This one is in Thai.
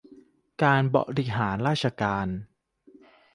การบริหารราชการ